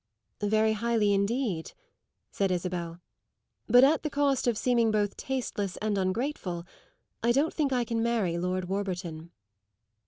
"Very highly indeed," said Isabel. "But at the cost of seeming both tasteless and ungrateful, I don't think I can marry Lord Warburton."